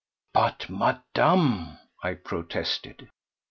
"But, Madame—" I protested.